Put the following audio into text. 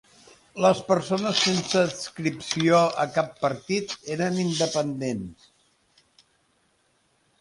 Les persones sense adscripció a cap partit eren independents.